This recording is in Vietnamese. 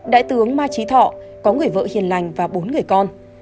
đại tướng ma trí thọ có người vợ hiền lành và bốn người con